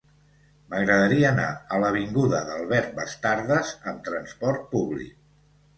M'agradaria anar a l'avinguda d'Albert Bastardas amb trasport públic.